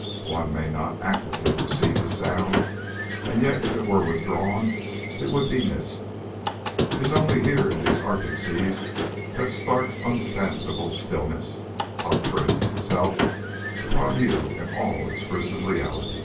One may not actively perceive the sound, and yet if it were withdrawn it would be missed. It is only here in these Arctic seas that stark, unfathomable stillness obtrudes itself upon you in all its gruesome reality.